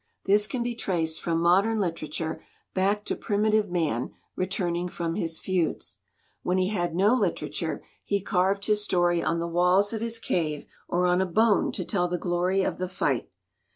This can be traced from modern literature back to primitive man returning from his feuds. When he had no literature, he carved his story on the walls of his cave or on a bone to tell the glory of the fight.